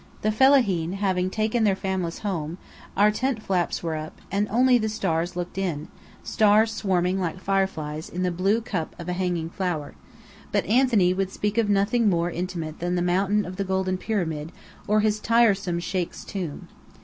The Fallaheen having taken their families home, our tent flaps were up, and only the stars looked in stars swarming like fireflies in the blue cup of a hanging flower; but Anthony would speak of nothing more intimate than the Mountain of the Golden Pyramid, or his tiresome sheikh's tomb.